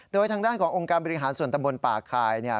โดยทางด้านขององค์การบริหารส่วนตำบลป่าคายเนี่ย